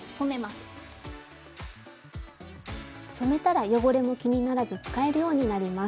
スタジオ染めたら汚れも気にならず使えるようになります。